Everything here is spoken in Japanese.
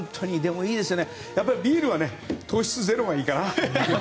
やっぱりビールは糖質ゼロがいいかな。